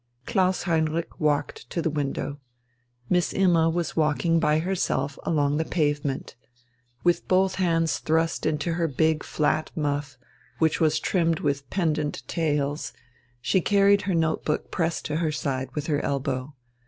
Klaus Heinrich walked to the window. Miss Imma was walking by herself along the pavement. With both hands thrust into her big flat muff, which was trimmed with pendent tails, she carried her notebook pressed to her side with her elbow.